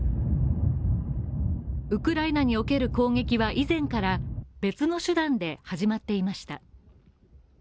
ウクライナにおける攻撃は以前から別の手段で始まっていました。